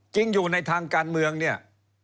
จริงอยู่ในทางการเมืองเนี่ย